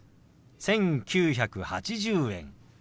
「１９８０円」。